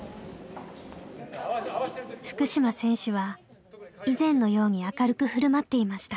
福島選手は以前のように明るく振る舞っていました。